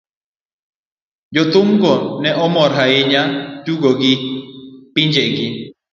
jothumgo ne mor ahinya tugo ne pinjegi.